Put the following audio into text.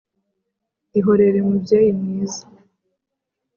ihorere mubyeyi mwiza